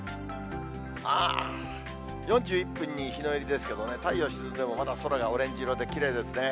ああ、４１分に日の入りですけどね、太陽沈んでも、まだ空がオレンジ色できれいですね。